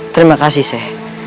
terima kasih syekh